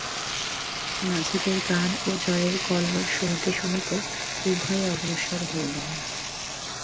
মাঝিদের গান ও জলের কল্লোল শুনিতে শুনিতে উভয়ে অগ্রসর হইলেন।